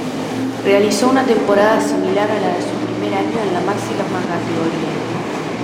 Realizó una temporada similar a la de su primer año en la máxima categoría.